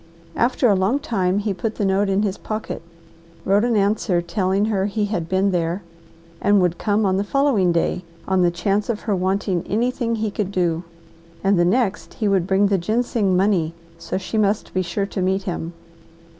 After a long time he put the note in his pocket, wrote an answer telling her he had been there, and would come on the following day on the chance of her wanting anything he could do, and the next he would bring the ginseng money, so she must be sure to meet him.